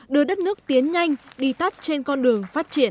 đưa đất nước tiến nhanh đi tắt trên con đường phát triển